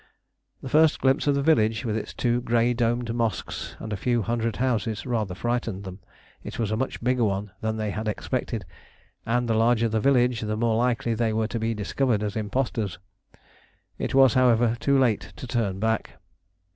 The first glimpse of the village with its two grey domed mosques and a few hundred houses rather frightened them: it was a much bigger one than they had expected, and the larger the village the more likely they were to be discovered as impostors. It was, however, too late to turn back.